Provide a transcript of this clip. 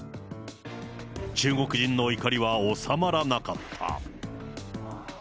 中国人の怒りは収まらなかった。